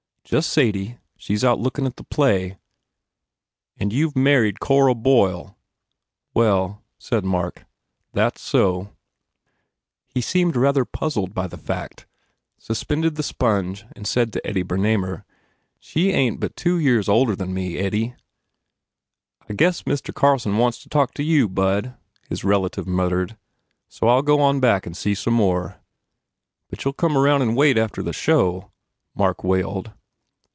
"Just Sadie. She s out lookin at the play." "And you ve married Cora Boyle?" "Well," said Mark, "that s so." He seemed rather puzzled by the fact, suspended the sponge and said to Eddie Ber namer, "She ain t but two years older n me, Eddie." "I guess Mr. Carlson wants to talk to you, Bud," his relative muttered, "So I ll go on back and see some more." "But you ll come round an wait after the show?" Mark wailed.